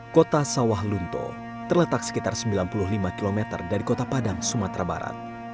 kota sawah lunto terletak sekitar sembilan puluh lima km dari kota padang sumatera barat